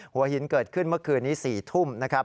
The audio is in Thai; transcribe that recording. หัวหินเกิดขึ้นเมื่อคืนนี้๔ทุ่มนะครับ